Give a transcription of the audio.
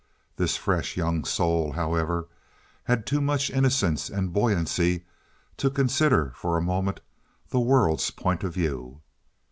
This fresh, young soul, however, had too much innocence and buoyancy to consider for a moment the world's point of view.